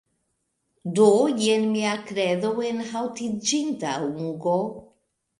Do, jen mia kredo enhaŭtiĝinta ungo